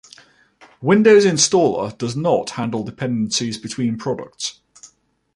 Windows Installer does not handle dependencies between products.